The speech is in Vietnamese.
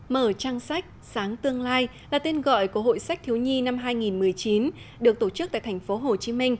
mở trang sách sáng tương lai là tên gọi của hội sách thiếu nhi năm hai nghìn một mươi chín được tổ chức tại tp hcm